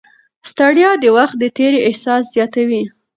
ستړیا د وخت د تېري احساس زیاتوي.